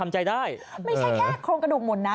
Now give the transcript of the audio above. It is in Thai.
ไม่ใช่แค่โครงกระดูกหมุนนะ